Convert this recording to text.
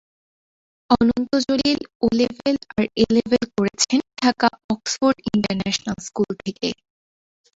অনন্ত Jalil O level আর A level করেছেন ঢাকার অক্সফোর্ড ইন্টারন্যাশনাল স্কুল থেকে।